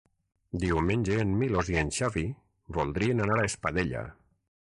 Diumenge en Milos i en Xavi voldrien anar a Espadella.